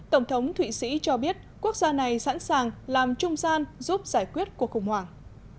tổng thống thụy sĩ cho biết quốc gia này sẵn sàng làm trung gian giúp giải quyết cuộc khủng hoảng